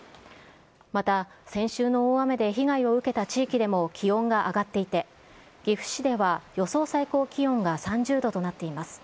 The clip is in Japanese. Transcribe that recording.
また、先週の大雨で被害を受けた地域でも気温が上がっていて、岐阜市では予想最高気温が３０度となっています。